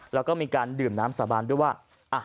แล้วก็มีการดื่มน้ำสาบานด้วยว่า